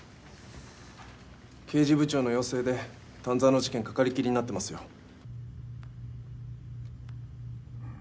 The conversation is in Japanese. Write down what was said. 刑事部長の要請で丹沢の事件かかりっきりになってますよ